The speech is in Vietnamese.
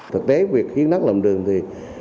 thực tế việc hiến đất làm đường thì